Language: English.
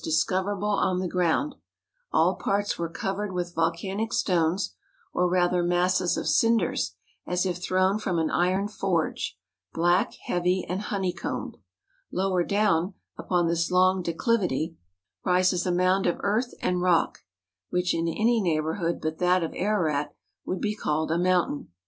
discoverable on the ground; all parts were covered with volcanic stones, or rather masses of cinders, as if thrown from an iron forge,—black, heavy, and honey combed. Lower down, upon this long de MOUNT ARARAT. 211 clivity, rises a mound of earth and rock, which in any neighbourhood but that of Ararat, would be called a mountain.